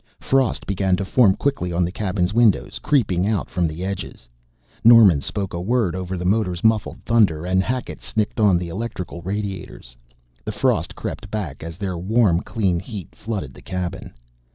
Frost begin to form quickly on the cabin's windows, creeping out from the edges. Norman spoke a word over the motor's muffled thunder, and Hackett snicked on the electrical radiators. The frost crept back as their warm, clean heat flooded the cabin.